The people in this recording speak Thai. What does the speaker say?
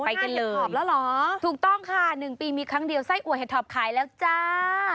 ไปกันเลยถอบแล้วเหรอถูกต้องค่ะ๑ปีมีครั้งเดียวไส้อัวเห็ดถอบขายแล้วจ้า